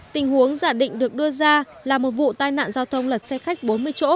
tình huống giả định được đưa ra là một vụ tai nạn giao thông lật xe khách bốn mươi chỗ